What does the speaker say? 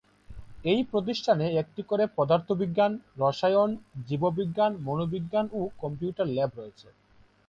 এই প্রতিষ্ঠানে একটি করে পদার্থবিজ্ঞান, রসায়ন, জীববিজ্ঞান, মনোবিজ্ঞান ও কম্পিউটার ল্যাব রয়েছে।